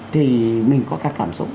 thì mình có các cảm xúc